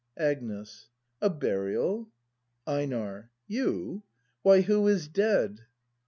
Agnes. A burial. Einar. You ? Why, who is dead